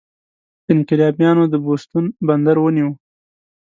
انقلابیانو د بوستون بندر ونیو.